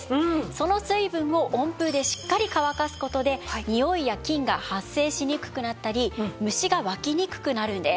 その水分を温風でしっかり乾かす事でにおいや菌が発生しにくくなったり虫が湧きにくくなるんです。